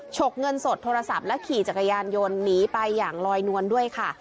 ฉกเงินสดโทรศัพท์และขี่จักรยานยนต์หนีไปอย่างลอยนวลด้วยค่ะ